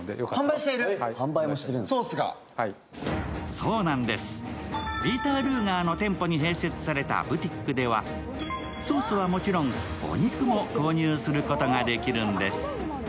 そうなんです、ピーター・ルーガーの店舗に併設されたブティックではソースはもちろんお肉も購入することができるんです。